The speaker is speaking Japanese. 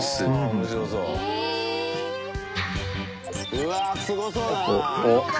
うわすごそうだな。